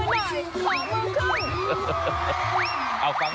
เอ้าขอมือหน่อยขอมือขึ้น